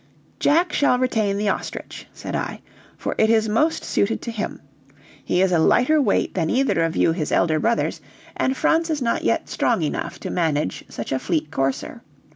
"Jack shall retain the ostrich," said I, "for it is most suited to him; he is a lighter weight than either of you his elder brothers, and Franz is not yet strong enough to manage such a fleet courser.